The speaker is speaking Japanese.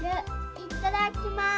いただきます。